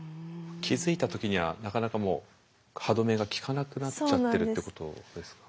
気付いた時にはなかなかもう歯止めが利かなくなっちゃってるってことですか？